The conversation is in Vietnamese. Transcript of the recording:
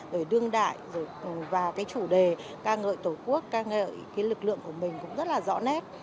rồi đương đại rồi vào chủ đề ca ngợi tổ quốc ca ngợi lực lượng của mình cũng rất là rõ nét